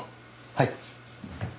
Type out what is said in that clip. はい。